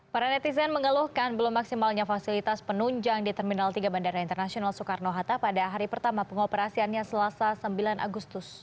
para netizen mengeluhkan belum maksimalnya fasilitas penunjang di terminal tiga bandara internasional soekarno hatta pada hari pertama pengoperasiannya selasa sembilan agustus